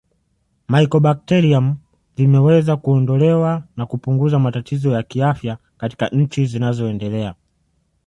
Mycobacterium vimeweza kuondolewa na kupuguza matatizo ya kiafya katika nchi zinazoendelea